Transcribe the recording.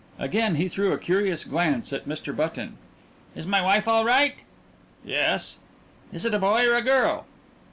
Again he threw a curious glance at Mr. Button. "Is my wife all right?" "Yes." "Is it a boy or a girl?"